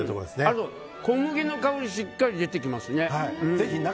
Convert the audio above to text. あと、小麦の香りがしっかり出てきますね。